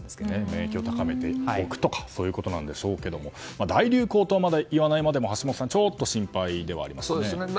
免疫を高めておくということなんでしょうけども大流行とはまだ言わないまでも橋下さんちょっと心配ではありますね。